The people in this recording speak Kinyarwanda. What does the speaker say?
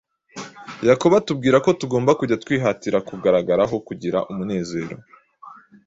Yakobo atubwira ko tugomba kujya twihatira kugaragaraho kugira umunezero